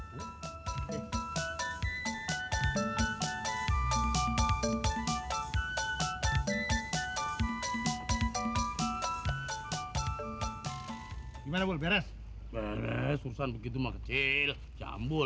gimana beres beres susah begitu mah kecil jambul